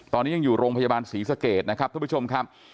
ตอนนี้ยังอยู่โรงพยาบาลศรีสเกตนะครับทุกผู้ชมครับ